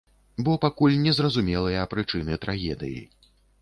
Бо пакуль не зразумелыя прычыны трагедыі.